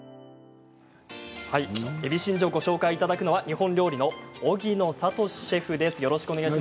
えびしんじょをご紹介いただくのは日本料理の荻野シェフです。